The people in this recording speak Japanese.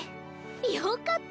よかった！